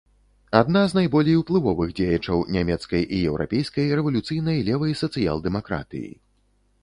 Адна з найболей уплывовых дзеячаў нямецкай і еўрапейскай рэвалюцыйнай левай сацыял-дэмакратыі.